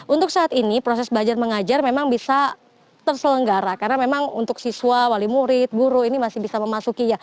untuk saat ini proses belajar mengajar memang bisa terselenggara karena memang untuk siswa wali murid guru ini masih bisa memasuki ya